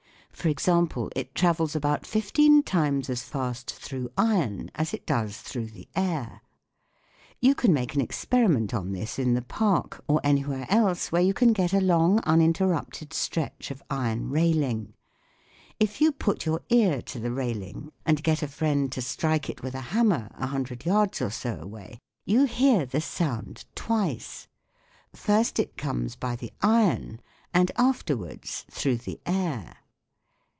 For example, it travels about fifteen times as fast through iron as it does through the air. You can make an experiment on this in the Park, or anywhere else where you can get a long uninterrupted stretch of iron railing. If you put your ear to the railing and get a friend to strike it with a hammer a hundred yards or so away, you hear the sound twice ; first it comes by the iron and afterwards through the air.